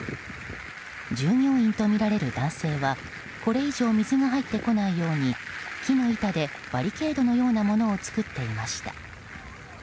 従業員とみられる男性はこれ以上水が入ってこないように木の板でバリケードのようなものを作っていました。